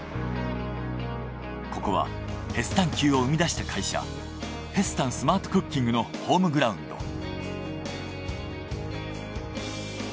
ここはヘスタンキューを生み出した会社ヘスタンスマートクッキングのホームグラウンド。